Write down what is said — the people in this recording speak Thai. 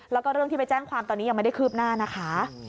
แล้วก็เรื่องที่ไปแจ้งความตอนนี้ยังไม่ได้คืบหน้านะคะ